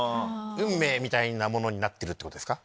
運命みたいなものになってるってことですか？